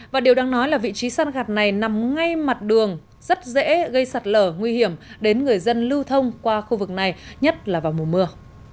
và điều đáng nói là vị trí săn gạt này nằm ngay mặt đường rất dễ gây sạt lở nguy hiểm đến người dân lưu thông qua khu vực này nhất là vào mùa mưa